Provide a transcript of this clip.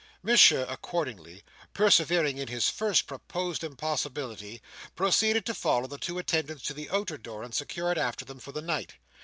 Monsieur accordingly, persevering in his first proposed impossibility, proceeded to follow the two attendants to the outer door, and secure it after them for the night.